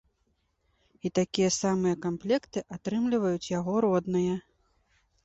І такія самыя камплекты атрымліваюць яго родныя.